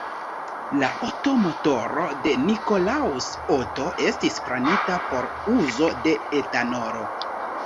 La Otto-motoro de Nikolaus Otto estis planita por uzo de etanolo.